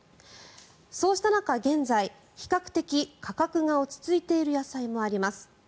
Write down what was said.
そうした中、現在比較的価格が落ち着いている野菜もあります。